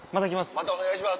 またお願いします